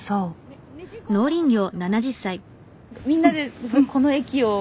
みんなでこの駅を。